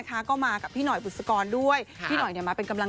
และก็ยังไม่เชื่ออยู่เหมือนกัน